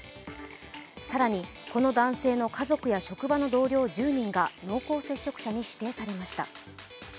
更にこの男性の家族や職場の同僚１０人が濃厚接触者に指定されました